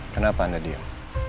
kenapa anda diam